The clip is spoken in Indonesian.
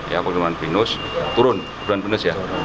ya perkebunan pinus turun perkebunan pinus ya